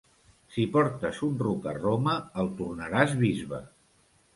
Si portes un ruc a Roma, el tornaràs bisbe.